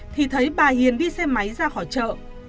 thì thấy bà hiền đi xe máy ra khỏi chợ